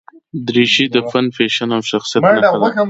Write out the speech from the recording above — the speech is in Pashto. دریشي د فن، فیشن او شخصیت نښه ده.